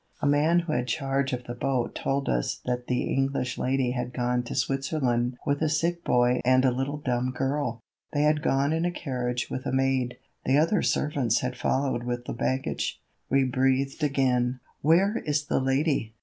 A man who had charge of the boat told us that the English lady had gone to Switzerland with a sick boy and a little dumb girl. They had gone in a carriage with a maid; the other servants had followed with the baggage. We breathed again. "Where is the lady?"